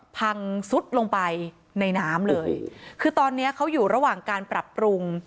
พังซุดลงไปในน้ำเลยคือตอนเนี้ยเขาอยู่ระหว่างการปรับปรุง